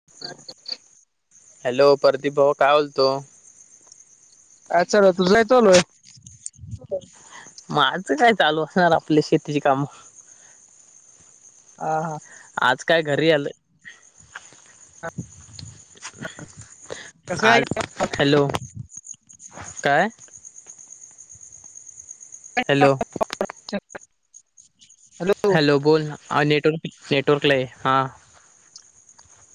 [inaudible] Hello Pradeep भाऊ काय बोलतो? काय चालूय? तुझ काय चालुय? माझं काय चालू असणार आपली शेतीची काम. हा. हा. आज काय घरी आलंय. कसं आहे आज हॅलो. काय? हॅलो. [unintelligible] हॅलो. बोल नेटवर्क नेटवर्कला ये हा.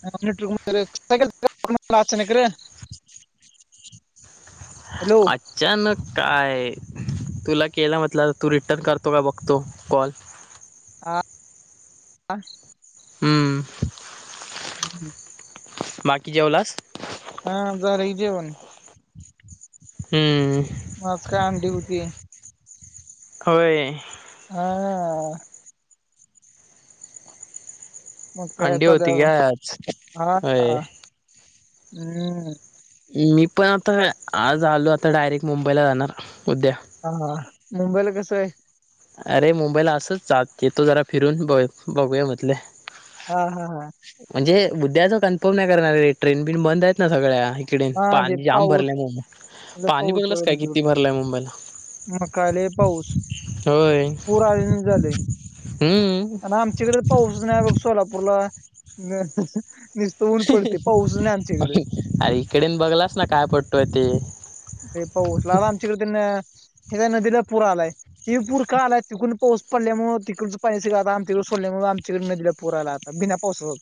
[unintelligible] कंस काय केला कॉल म्हणटं अचानक रं. हॅलो. अचानक काय तुला केलं म्हटलं तू रिटर्न करतो का बघतो कॉल. आ. हम्म. [inaudible] बाकी जेवलास? हा. झाल कि जेवण. हं. म आज काय आंडी हुती. होय. हा. मग काय अंडी आता होती द्याव काय आज होय [unintelligible] हम्म. मी पण आता आज आलो आता डायरेक्ट मुंबईला जाणार उद्या. हा. हा. मुंबईला कसंयं? अरे मुंबईला असच जा येतो जरा फिरून बघ बघूया म्हंटलं. हा, हा, हा. म्हणजे उद्याच कन्फर्म नाही करणार रे. ट्रेन बिन बंद आहेत ना सगळ्या. तिकडे हा ते पाणी जाम पाऊस भरलंय मु लय पाणी बघितलस काय किती भरलंय मुंबईला? म काय लई पाऊस. होय. हम्. आनं आमच्याकड पाऊसचं नाही हाय बघ सोलापूरला [unintelligible] निसत ऊन पडतयं. पाऊसच नाही आमच्याइकड. अरे इकडेन बघलास ना काय पडतोय ते. लई पाऊस लागला आमच्या हिकड तिनं - - हिकडं नदीला पूर आलाय ते पूर का आलाय? तिकडून पाऊस पडल्यामुळ तिकड पाणि सगळं आता आमच्याकड सोडल्यामुळे आमच्याकड नदीला पुर आला आता बिना पावसाच.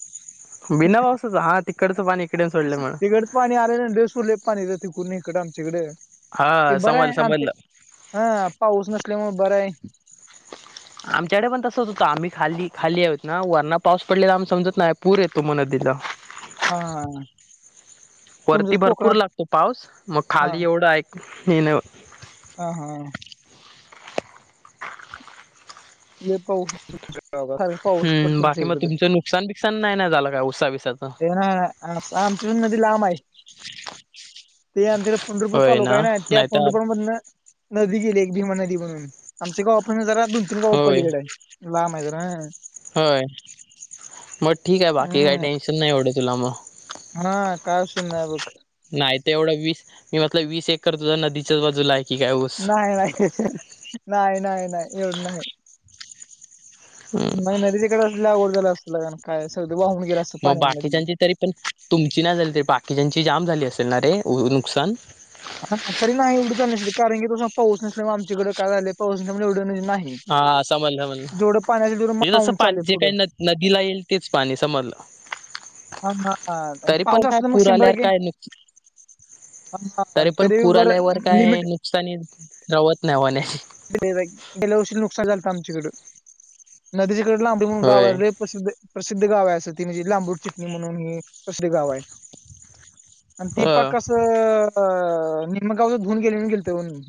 बिना पावसाच. हा तिकडचं पाणी इकडे सोडल्यामुळं. तिकडच पाणी आरे नदीला सोडलय पाणी तिकडुन हिकड आमच्याकड ते हा समजलं बरायं आमच्या समजलं हा पाऊस नसल्यामुळ बराय. आमच्याकडे पण तसंच होतं आम्ही खाली खाली आहोत ना वरणा पाऊस पडलेला आम्हा समजत नाही पूर येतो म नदीला. हा ह. वरती भरपूर लागतो पाऊस मग हा खाली एवढा हे नाही हो ह हा. लई पाऊस तुमच्याकडं [unintelligible] पाऊस हम्म पडतो तुमच्या बाकी मग इकडे. तुमचं नुकसान बीकसान नाही ना झालं काय ऊस बिसात? [unintelligible] हं. आमची नदी लांब हाय. ते अ पंढरपूर होय तालुका ना हेनय त्या नाहीतर पंढरपूर मधनं नदी गेली एक भीमा नदी म्हणून आमचे गाव आपण जरा दोन तीन गाव होय पलीकडे आहे. लांब आहे जरा. होय मग ठीक आहे बाकी काही हम्म टेन्शन नाही एवढं तुला मग. हा कास ना बघ. नाही ते एवढं वीस मी म्हटलं वीस एकर तुझ नदीच्याच बाजूला आहे. की काय ऊस नाही नाही नाही नाही नाही एवढ नाही. मग नदी तिकडे अवघड झाला असतं लग काय सगळं वाहून गेलं असतं मग पाण्यामध्ये. बाकीच्यांची तरी पण तुमची ना झाली तरी बाकीच्याची जाम झाली असेल ना रे नुकसान? हा तरी नाही एवढंचल अस कारण की तसं पाऊस नसल्यामुळेग आमच्याकडे काय झालेय पाऊस नसल्यामुळे एवढं नाही. हा असं म्हणलं म्हणलं जेवढं पाण्याचं तेवढं म्हणजे तसं मावून पाण चालले जे पुढं काही न नदीला येईल तेच पाणी समजलं. हा हा तरी पण पाऊस काय असला मग पूर शंभर आल्यावर टक्के काय नुक हा, हा. तरी पण पूर बरं आल्यावर काय लिमिट नुकसानी रावत नाही म्हणे. गेल्या वर्षी नुकसान झालंत आमच्याकडं नदीच्याकडे लांबडी मग होय गावरे प्रसिद्ध प्रसिद्ध गाव आहे असं ती म्हणजे लांबूड चिटणी म्हणून हे प्रसिध गाव आहे. आणि ती अ पाकसं निमगावच धुऊन गेली गेल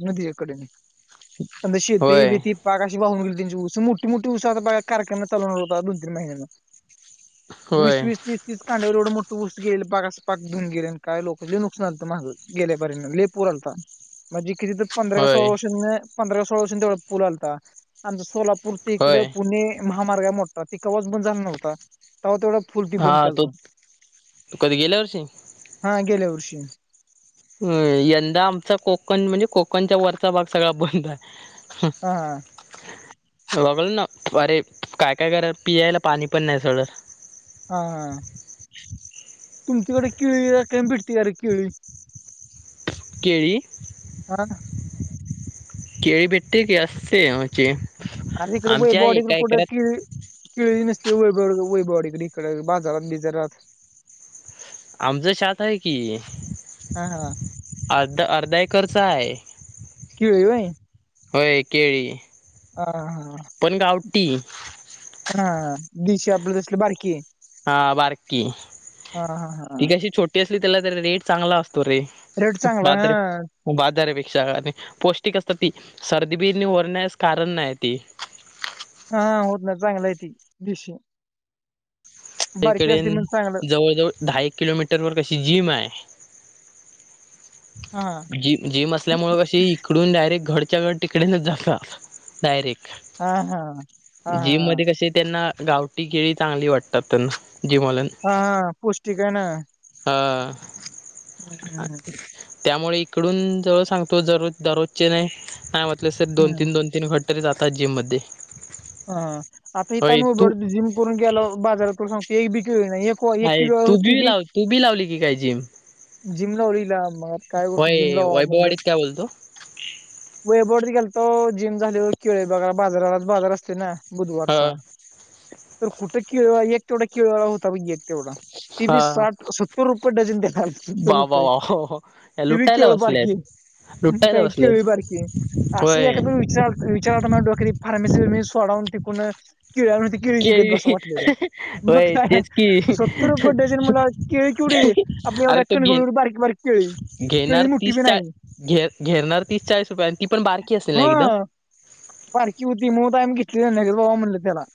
नदीच्याकडे. समद होय शेतबीती बागाशी वाहून गेली त्यांची उस मोठी मोठी ऊस कार्यक्रम चालणार होता दोन तीन महिन्यांं वीस होय वीस तीस तीचांड्यावर एवढ मोठं उस्ष्ट गेल पाग असं पा धऊन गेले काय लोक नुकसान झालत म गेल्यापर्यंत. पूर आला था. म्हणजे किती तर पंधरा होय सोळार्ष पंधरा सोळा वर्षां तेवढा पूल आता आमचा सोलापूर इकड होय पुणे महामार्ग मोठा तो केव्हाच बंद झाला नव्हता. तेव्हा तेवढा फुलटी हा बंद तो केलता कधी गेल्या वर्षी हा गेल्या वर्षी. यंदा आमचा कोकण म्हणजे कोकण वरचा भाग सगळा बंद आहे. ह ह बघाल ना अरे काय काय करा पियायला पाणी पण नाही थोड. हा हा तुमच्याकडे केळी काही भेटते अ रे केळी? केरी [inaudible] केळी भेटते का अस असते म्हणजे? आज इकडे वैभववाडी कुठे ते केळी नसते वैभववाडी वैभव बाजारात बिजारात. आमचं छात आहे की. हा हा अर्ध अर्धा एकरचा आहे. केळी व्हा. होय केळी. ह हा पण गावटी हा दिशी आपल दिसल बारकी हा बारकी हा हा हा ती कशी छोटी असली त्याला तर रेट चांगला असतो रे रेट चांगला हा बाद्र बाजारापेक्षा पौष्टिक असत ती सर्दी बिने रण्यास कारण नाही ती हा होत ना चांगलायती दिशी बारकी एककडे असली म्हणजे चांगलं जवळ जवळ दहा एक किलोमीटरवरर कशी जिम आहे हा जि जिम असल्यामुळे कशी इकडून डायरेक्ट घरच्या घर तिकडेनच जातात हा हा हा डायरेक्ट जिम हा मध्ये कसे त्यांना गावटी केळी चांगली वाटतात त्यांना जी मला हा हा पौष्टिक आहे ना हा हम्म हम्म त्यामुळे इकडून जवळ सांगतो जररोज दररोजचे नाही नाही म्हटलं सर दोन हम्म. तीन दोन तीन घट तरी जातात जिम मध्ये हा आता इथं होय आम्ही तू उभे जिम करून केलं बाजारात करून सांगतो एक बि केळी नाही. एक एक किलो तू बी होती लावली तू बी लावली की काय जिम? जिम लावली मग काय करतो जिमला होय लावव म्हणलं वैभववाडीत काय बोलतो? वैभव गेलतो जिम झाली केळी बघा बाजारालाच बाजार असते ना ह बुधवारचा तर कुठं केळी एक तेेवढा केळी वाला होता तेवढा ती बी हा साठ सत्तर रुपये डझन दयायला लागला वा वा रुपये वा वा ती बी लुटायला केळ बारखी बसलेत मग लुटायला काही बसलेत केळी बारखी असं होय एखाद विचार डोकरी फार्मेसी सोडाव टिकून केळी केळीच विकत बसाव केळी वाटलेल मग होय काय तेच की सत्तर रुपये डझन मला केळी केवढी आपल्या अरे एवढ्या तो घे कणगोळीवर बारीक बारीक केळी केळी घेणार मोठी तीस बी चा नाही. घे घेरणार तीस चाळीस रुपय हा बारखी होती मग आम्ही घेतली जा बाबा म्हणलं त्याला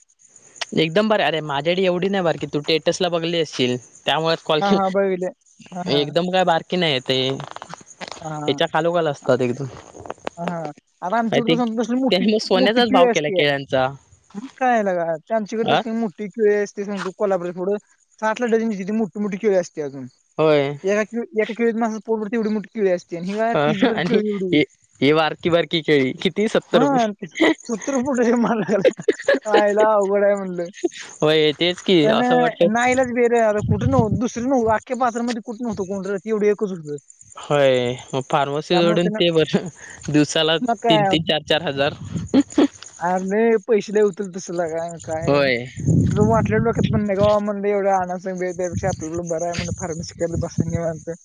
एकदम बरं अरे माझ्याकडे एवढं नाही बारकी की तु स्टेटसला बघितलं असशील त्यामुळे कॉल हा के हा बघितले. हा हा एकदम काय बारकी नाही ते हच्या कालोकाल असतात एकदम ह हा आता आणि ते आमच्याकडं तर मोठी त्याने मग मोठी सोन्याचाच केळी भाव केला असती आहे. केळ्यांचा मग काय लका आच्याकडे अ तसली मोठी केळी असते सांगतो कोल्हापूरच पुढ साठलाक्ष डजन मोठी मोठी केळी असते अजून होय एका एका केळीत माणसाचं पोट भरलत तेवढी मोठी केळी असते हि काय तीचभर बरं केळी एवढी एवढी हे बारकी बारकी केळी. किती सत्तर हा रुपये सततर रूपये डझन म्हणलायला लगला आयला अवघड आहे म्हणलं. होय तेच की असं वाटतय खाईलाच बिया कुठं नव दुसर नव्हतं आख्या बाजार मध्ये कुठं नव्हतं कोण एवढे एकच होतं. होय मग त्यामुळे फार्मसीकडून त्यानं ते बरं दिवसाला मग तीन काय तीन चार चार हजार अरे नाही पैसे होतील तस लका का काय होय जर वाटले डोक्यात म्हण गवा म्हण एवढं आणा त्यापेक्षा आपलं ल बरं आहे म्हण फर्मसरलं बसायचं म्हणतं.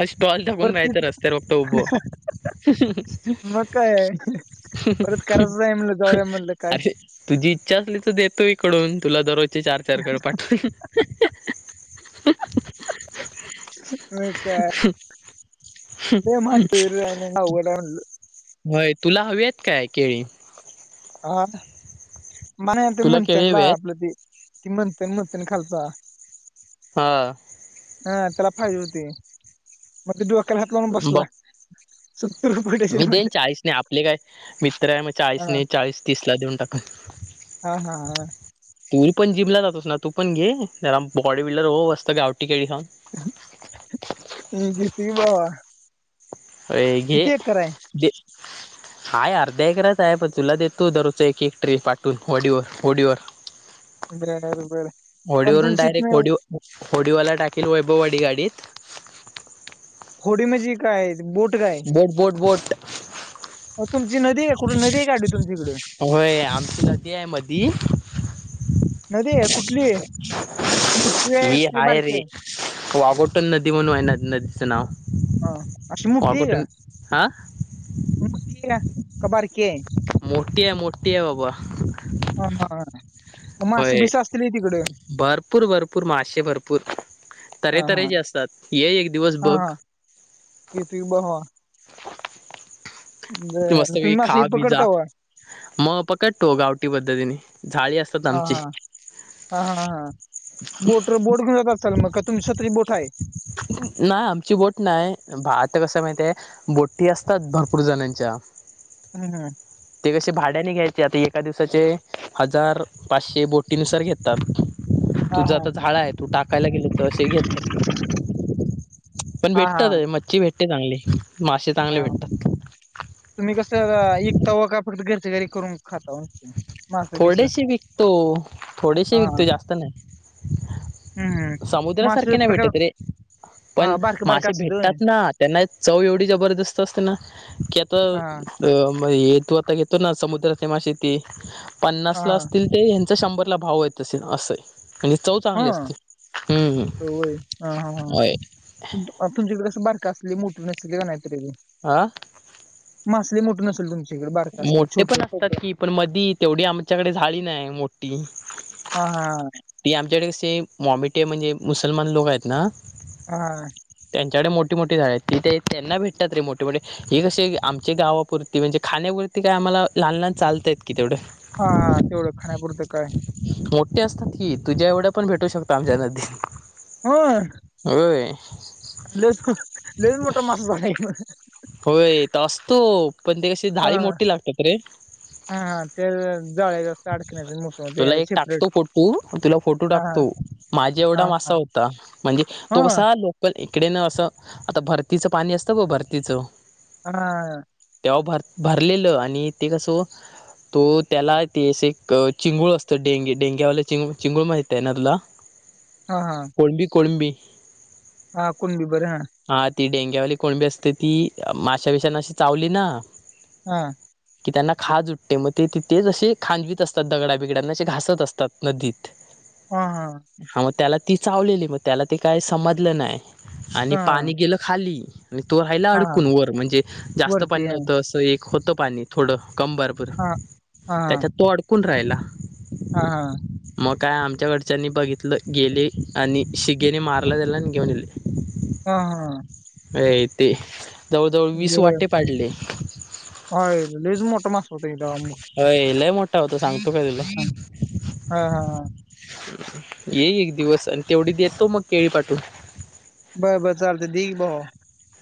अ स्टॉल टाकून घ्यायचं रस्त्यावर फक्त उभं मग काय परत करायचं आहे म्हणलं जाऊ द्या म्हणलं काय अरे तुझी इच्छा असली तर देतो इकडून तुला दररोजचे चार चार गड पाठवेल. [inaudible] अ काे लय अवघड आहे होय तुला हवीत काय केळी? हा मला तुला केळी म्हंथनला हवी आहेत आपलं त ती म्हंथन म्हंथन खालचा हा हा त्याला फायदे होती मग ते डोक्याला हात लावून बसला बघ सत्तर रुपये डझन मी देन म्हटलं चाळीसने आपले काय मित्र आहे मग चाळीस हा नाही चाळीस तिसला देऊन टाका हा हा हा तू पण जिमला जातोस ना तू पण घे जरा बॉडी बिल्डर हो मस्त गावठी केळी खाऊन. ह घेतो कि भावा होय घे घे हाय अर्ध्या ऐकराच आहे पण तुला देतो दरोजच एक एक ट्री पाठवून होडीवर होडीवर बरं आहे बरं पण होडीवरून तुमच इत डायरेक्ट नाही. होडी होडीवाला टाकेल वैभववाडी गाडीत. होडी म्हणजी काय बोट काय. बोट बोट बोट. तुमची नदी का कुठून नदी आहे काढली तुमच्याकडे. होय आमची नदी आहे. मधी नदी आहे कुठलीय, मोठीये की बारकीये. वागोटण नदी म्हणून आहे न नदीचं नाव. हा अशी मोठी आहे का. वाघोटन हा मोठी आहे का बारकी आहे. मोठीये, मोठीये बाबा. हा ह ह मासे होय बिसे असतील होय. भरपूर, भरपूर मासेे भरपूर. हा हा तर्हेतर्हेचे असतात. ये एक दिवस बघ. येतोय भावा. बरं. मस्तपैकी तुम्ही खा, मासे पी, जा. पकडता वा मग पकटतो. गावटी पद्धतीने झाळी असतात हा आमची. हा हा हां बोटर बोट घेऊन येत असतात का, मग का तुमची स्वतः ची बोट आहे. नाही आमची बोट नाही. भात कसं माहिती ये. बोटी असतात भरपूर जणांच्या. हम् हम ते कसे भाड्याने घ्यायचे आता एका दिवसाचे हजार पाचशे बोटीनुसार घेतात. हा तुझं हा आता जाळ आहे. तू टाकायला गेले तर असे घेतात. पण हा भेटतात. हा मच्छी भेटते चांगली, मासे चांगले हा भेटतात. तुम्ही कसं इकता वा. काय फक्त घरच्या घरी करून खाता वा. मासं बिस थोडेशी विकतो थोडेशी हा विकतो हम्म जास्त नाही. हम्म. मासे समुद्रासारखे नाही भेटते प्रकार त रे पण हा बारक बारक मासे असत होय? भेटतात ना. त्यांना एक चव एवढी जबरदस्त असते ना की आता. हा म हे तू आता घेतो ना समुद्राचे माशीती पन्नास ला हा असतील. ते ह्यांचा शंभरला भाव होेत असेल असं. म्हणजे चव चांगली हा असते. हम्म हम्म होय. तुमकडे कसं बारका असली मोटरी नसतील किंवा नाहीतरी बी. आं. मासे मोठ नसेल तुमची. मोठे पण असतात की, पण मधी तेवढी आमच्याकडे झाली नाही मोठी. हा हा ती आमच्याकडे कशी मॉमिटे म्हणजे मुसलमान लोक आहेत ना. हा त्यांच्याकडे मोठी मोठी जाळे आहेत. ती ते त्यांना भेटतात रे मोठी मोठी. हे कसे आमच्या गावापुरती, म्हणजे खाण्यापुरती काय आम्हाला लहान लहान चालता येत कि तेवढं. हा हा तेवढं खाण्यापुरतं काय. मोठे असतात की, तुझ्या एवढ्या पण भेटू शकता आमच्या नदीत. होय. होय. लेस लेस मोठं मस झाला. होय तर असतो पण ते कशी हा झाडी मोठी लागतेात रे. हा हा ते जाळ्याच्या असं अडकण्याचं मोठं ते तुला एक सेपरेट. टाकतो फोटो तुला फोटो हा टाकतो. हा माझा एवढा माा हा होता म्हणजे हा हा तो कसा लोक. पण इकडेनं असं आता भरतीचं पाणी असतं ग भरतीचं. हा. तेव्हां भरं भरलेलं आणि ते कसं तो त्यांला तंस एक चिंगूळ असतं डेंगी डेंग्यावांला चिंग चिंगूळ माहितं आहे नां तुंला हां कोळंबी कोणंबी हा कोणं बी बरं हां हां ती डेंग्यावाली कोणंबी असते ती मांशा विषाने अशी चांवली नां हां की त्यांना खांजयेते मंग ते तिथं तेचं असे खांदवीत असतांत दगडां बिगड्यांनाे घासतं असतांत नदीतं हां हां हां मंग त्यांला ती चावलेली मंग त्यांला ते कांहीं समजलं नाहीं आणि हा पाणी हा गेलं खांली आणि तो रायंला हा अडकूंन वरं म्हणजे जास्तं पाणी वरती हा नव्हतं असं एक होतं पाणी थोडं कंबर पूंर हा त्यांच्यात तो अडकूंन राहिला हां हां मंग कायं आमच्यांकडच्यांनी बघितलं गेले आणि शिगेने मारलां त्यांला आणि घेऊंन गेले हां हां अ ते जवळंजवळं वीसं वांटे पांडले हं ललेज मोठं मांस होत मु हं यांलंय मोठं होतां सांगतो कां तुंला हा हा येई एक दिवसं आणि तेवढी देतो मंग केळी पाठूंन बरं बरं चालतं देघी भाऊ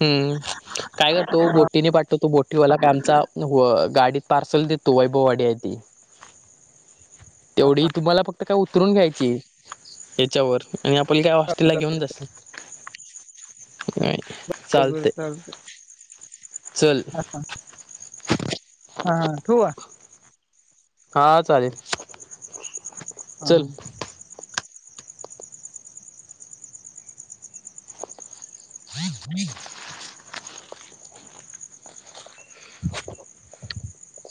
हम्मं कायं करतो बोटीने पाठतो तो बोटीवांला कायं आमचां हो गांडीत पार्सल देतो वैभववांडी आहे ती तेवढी तुम्हांला फक्तं कायं उतरूंन घ्यांयची यांच्यावर आणि आपलां कायं वास्तीलां घेऊंन जासं नाहीं बर बर चालतें चलं अच्छा हां हां ठुंवा हां चालेलं हां हं ह ह [unintelligible] [unintelligible]